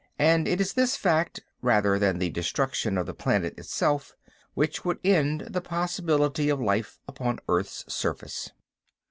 And it is this fact, rather than the destruction of the planet itself, which would end the possibility of life upon Earth's surface.